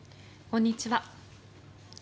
こんにちは。